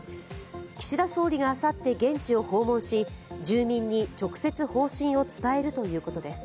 岸田総理があさって現地を訪問し、住民に直接方針を伝えるということです。